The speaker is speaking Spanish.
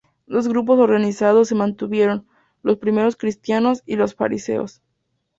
Dos grupos organizados se mantuvieron: los primeros cristianos y los fariseos.